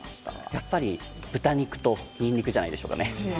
やっぱり豚肉とにんにくじゃないでしょうかね。